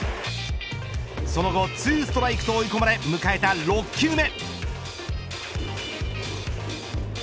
その後２ストライクと追い込まれ迎えた６球目。